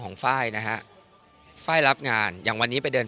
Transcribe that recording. ไฟล์นะฮะไฟล์รับงานอย่างวันนี้ไปเดิน